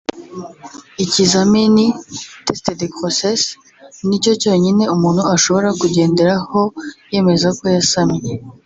ikizamini (Test de grossesse) nicyo cyonyine umuntu ashobora kugenderaho yemeza ko yasamye